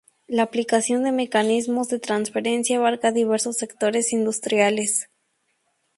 La aplicación de mecanismos de transferencia abarca diversos sectores industriales.